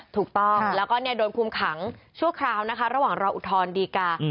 ถูกต้องแล้วก็โดนคุมขังชั่วคราวนะคะระหว่างรออุทธรณ์ดีกา